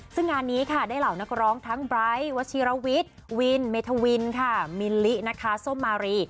ซึ่งงานนี้ค่ะได้เหล่านักร้องทั้งไบร์ทวัชิรวิทย์วินเมธวินค่ะมิลลินะคะส้มมารี